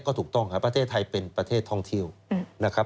ก็ถูกต้องครับประเทศไทยเป็นประเทศท่องเที่ยวนะครับ